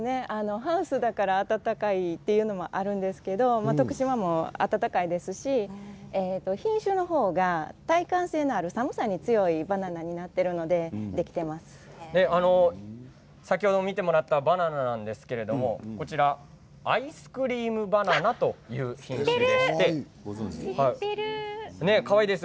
ハウスだから暖かいというのもあるんですけど徳島も暖かいですし品種の方が耐寒性のある寒さに強いバナナになっているので先ほど見てもらったバナナなんですがアイスクリームバナナという品種です。